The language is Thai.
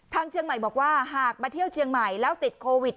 เชียงใหม่บอกว่าหากมาเที่ยวเชียงใหม่แล้วติดโควิด